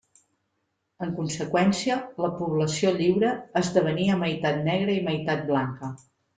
En conseqüència, la població lliure esdevenia meitat negra i meitat blanca.